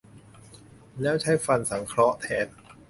แล้วใช้ฟันสังเคราะห์แทน